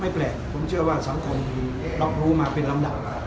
แปลกผมเชื่อว่าสังคมรับรู้มาเป็นลำดับ